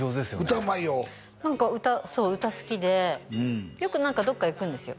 歌うまいよ何か歌そう歌好きでよく何かどっか行くんですよ